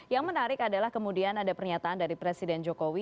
yang menarik adalah kemudian ada pernyataan dari presiden jokowi